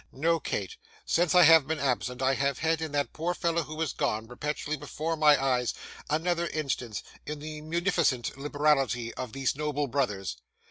No, Kate! Since I have been absent, I have had, in that poor fellow who is gone, perpetually before my eyes, another instance of the munificent liberality of these noble brothers.